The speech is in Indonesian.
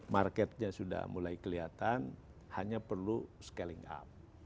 marketnya sudah mulai kelihatan hanya perlu scaling up